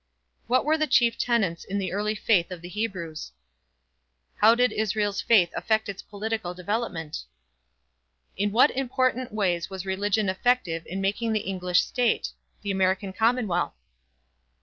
What were the chief tenets in the early faith of the Hebrews? How did Israel's faith affect its political development? In what important ways was religion effective in making the English state? The American commonwealth?